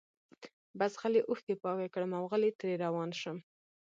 بس غلي اوښکي پاکي کړم اوغلی ترې روان شم